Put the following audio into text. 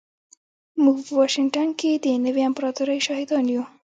موږ به په واشنګټن کې د نوې امپراتورۍ شاهدان یو